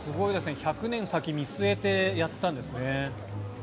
１００年先を見据えてやったんですね。